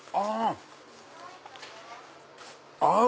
合う！